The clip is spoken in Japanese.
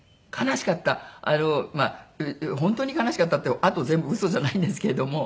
まあ「本当に悲しかった」ってあと全部嘘じゃないんですけれども。